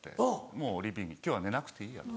もうリビング今日は寝なくていいやと。